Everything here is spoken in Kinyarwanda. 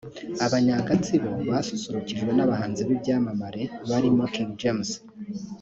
Abanya-Gatsibo basusurukijwe n'abahanzi b'ibyamamare barimo King James